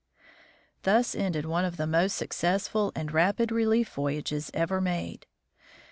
Thus ended one of the most successful and rapid relief voyages ever made.